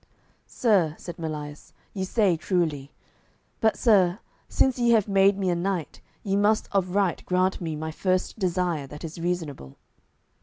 "Sir," said Melias, "ye say truly. But, sir, since ye have made me a knight, ye must of right grant me my first desire that is reasonable."